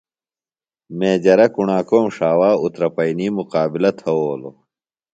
میجرہ کُݨاکوم ݜاوا اُترپئینی مُقابِلہ تھوؤلوۡ۔